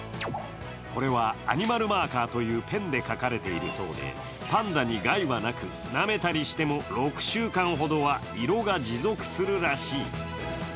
これはアニマル・マーカーというペンで描かれているそうでパンダに害はなく、なめたりしても６週間ほどは色が持続するらしい。